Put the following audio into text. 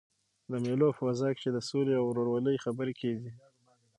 د مېلو په فضا کښي د سولي او ورورولۍ خبري کېږي.